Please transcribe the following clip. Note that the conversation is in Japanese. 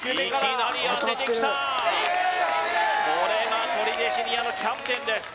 おっとこれが取手シニアのキャプテンです